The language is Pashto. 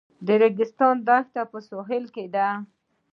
د ریګستان دښته په سویل کې ده